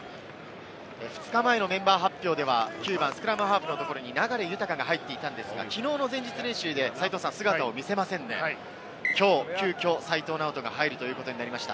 ２日前のメンバー発表では９番スクラムハーフのところに流大が入っていたんですが、きのうの前日練習で姿を見せませんで、きょう急きょ、齋藤直人が入るということになりました。